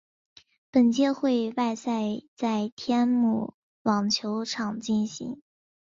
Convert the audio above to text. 本届会外赛在天母网球场进行。